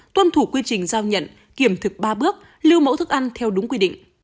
tuân thủ quy trình giao nhận kiểm thực ba bước lưu mẫu thức ăn theo đúng quy định